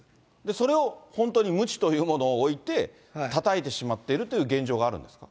それを本当にむちというものをおいて、たたいてしまっているという現状があるんですか。